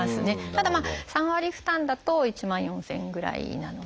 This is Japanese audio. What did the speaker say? ただ３割負担だと１万４，０００円ぐらいなので。